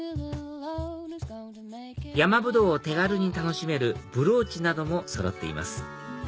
ヤマブドウを手軽に楽しめるブローチなどもそろっています